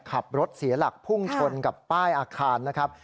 ขับรถเสียหลักพุ่งชนกับป้ายอาคารนะครับ